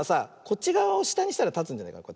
こっちがわをしたにしたらたつんじゃないかな。